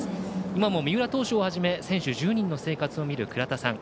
今も三浦投手をはじめ選手１０人の生活を見るくらたさん。